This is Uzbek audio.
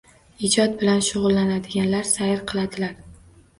Ijod bilan shug‘ullanadilar, sayr qiladilar.